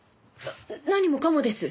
何もかもです。